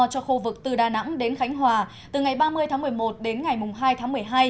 cho khu vực từ đà nẵng đến khánh hòa từ ngày ba mươi tháng một mươi một đến ngày hai tháng một mươi hai